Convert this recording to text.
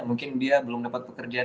mungkin dia belum dapat pekerjaan